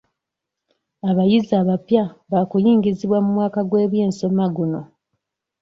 Abayizi abapya baakuyingizibwa mu mwaka gw'ebyensoma guno.